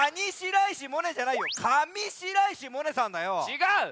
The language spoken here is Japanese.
ちがう！